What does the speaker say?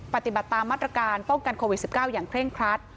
ปฏิบัติตามมาตรการป้องกันโควิด๑๙อย่างเคร่งครัด